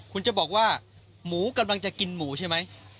คุณจะบอกว่าหมูกำลังจะกินหมูใช่ไหม